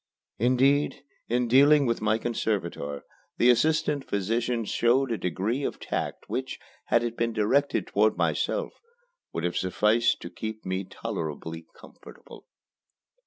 Indeed, in dealing with my conservator the assistant physician showed a degree of tact which, had it been directed toward myself, would have sufficed to keep me tolerably comfortable.